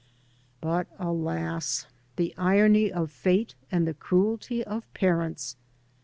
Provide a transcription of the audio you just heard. But, alas! the irony of fate and the cruelty of parents!